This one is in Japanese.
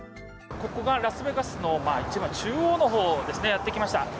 ここがラスベガスの街の中央のほうにやってきました。